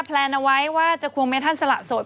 แลนเอาไว้ว่าจะควงเมธันสละสด